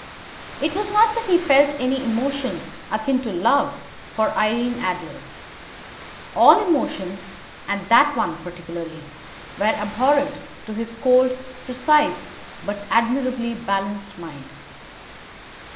It was not that he felt any emotion akin to love for Irene Adler. All emotions, and that one particularly, were abhorrent to his cold, precise but admirably balanced mind.